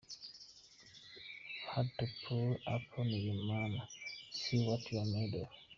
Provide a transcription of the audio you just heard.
Had to pull up on your mama, see what you're made of.